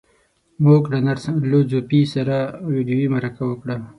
موږ له نرس لو ځو پي سره ويډيويي مرکه وکړه.